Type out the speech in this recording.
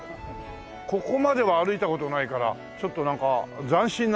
ここまでは歩いた事ないからちょっとなんか斬新な感じだね。